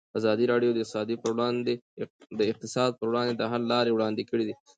ازادي راډیو د اقتصاد پر وړاندې د حل لارې وړاندې کړي.